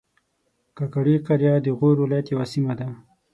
کاکړي قریه د غور ولایت یوه سیمه ده